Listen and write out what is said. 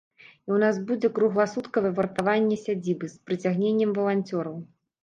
І ў нас будзе кругласуткавае вартаванне сядзібы, з прыцягненнем валанцёраў.